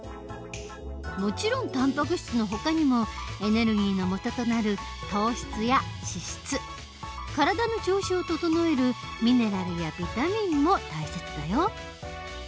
もちろんたんぱく質のほかにもエネルギーのもととなる糖質や脂質体の調子を整えるミネラルやビタミンも大切だよ。